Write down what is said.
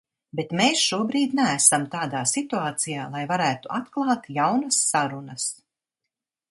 Bet mēs šobrīd neesam tādā situācijā, lai varētu atklāt jaunas sarunas.